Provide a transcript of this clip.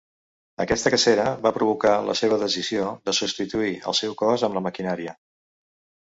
Aquesta cacera va provocar la seva decisió de substituir al seu cos amb la maquinària.